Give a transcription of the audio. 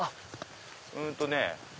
うんとね。